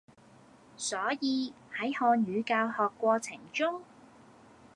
所以，喺漢語教學過程中